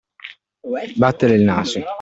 Battere il naso.